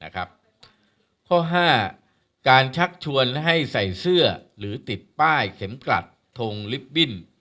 ข้อ๕การชักชวนให้ใส่เสื้อหรือติดป้ายเข็มกลัดทงลิฟต์บิ้น